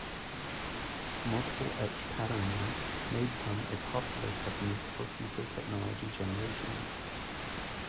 Multiple-etch patterning may become a popular technique for future technology generations.